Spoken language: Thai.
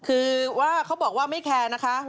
คือว่าเขาบอกว่าไม่แคร์นะคะ